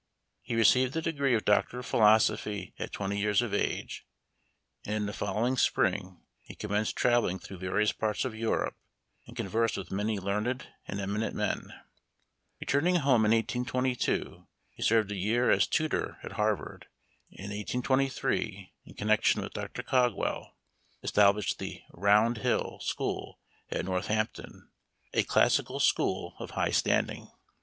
He received the degree of Doctor of Philosophy at twenty years of age, and in the following spring he com menced traveling through various parts of Europe, and con versed with many learned and eminent men. Returning home in 1822 he served a year as tutor at Harvard, and in 1823, in connection with Dr. Cogswell, established the " Round Hill " school at Northampton, a classical school of high standing.